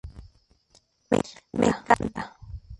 Me encanta.